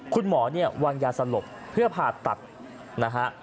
คุณหมอเนี่ยวางยาสลบเพื่อผ่าตัดนะฮะ